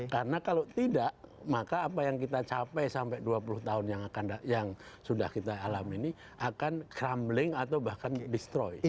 karena kalau tidak maka apa yang kita capai sampai dua puluh tahun yang sudah kita alami ini akan crumbling atau bahkan destroy